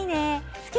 好き！